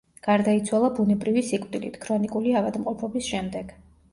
გარდაიცვალა ბუნებრივი სიკვდილით ქრონიკული ავადმყოფობის შემდეგ.